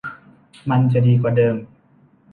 มันจะดีกว่าเดิม